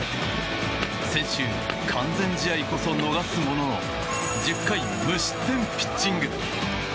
先週、完全試合こそ逃すものの１０回無失点ピッチング。